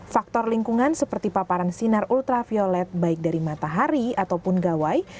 faktor lingkungan seperti paparan sinar ultraviolet baik dari matahari ataupun gawai